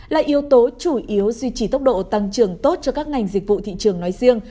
là yếu tố chủ yếu duy trì tốc độ tăng trưởng tốt cho các ngành dịch vụ thị trường nói riêng